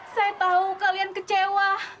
saya tahu kalian kecewa